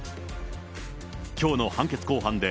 きょうの判決公判で、